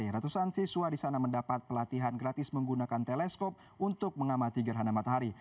ratusan siswa di sana mendapat pelatihan gratis menggunakan teleskop untuk mengamati gerhana matahari